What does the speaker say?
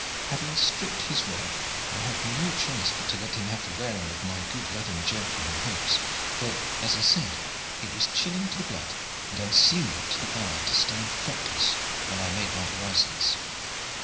Having stripped his robe, I had no choice but to let him have the wearing of my good leathern jerkin and hose, for, as he said, it was chilling to the blood and unseemly to the eye to stand frockless whilst I made my orisons.